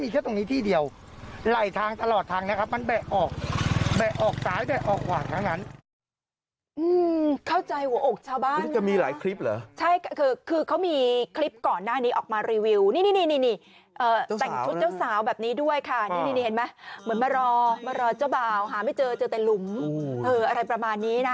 ก่อนหน้านี้ออกมารีวิวนี่